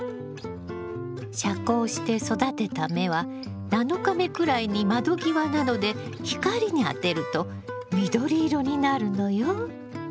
遮光して育てた芽は７日目くらいに窓際などで光にあてると緑色になるのよ。